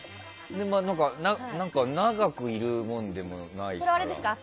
長くいるもんでもないから。